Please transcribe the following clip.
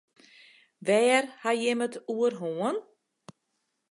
Wêr ha jim it oer hân?